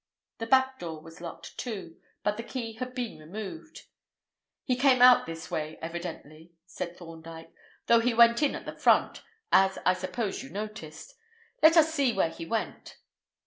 The back door was locked, too, but the key had been removed. "He came out this way, evidently," said Thorndyke, "though he went in at the front, as I suppose you noticed. Let us see where he went."